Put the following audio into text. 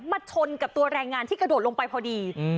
ชนกับตัวแรงงานที่กระโดดลงไปพอดี